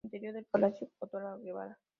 Interior del Palacio Otálora Guevara.